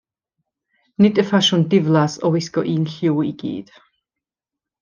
Nid y ffasiwn diflas o wisgo un lliw i gyd.